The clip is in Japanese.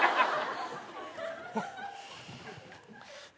あっ。